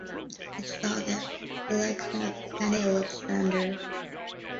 It saw the election of Kenny Alexander.